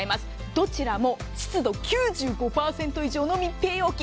どちらも湿度９５％以上の密閉容器。